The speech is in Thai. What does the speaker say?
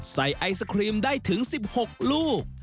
ไอศครีมได้ถึง๑๖ลูก